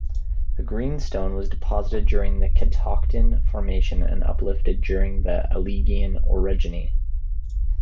The greenstone was deposited during the Catoctin Formation and uplifted during the Alleghenian Orogeny.